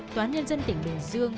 toán nhân dân tỉnh bình dương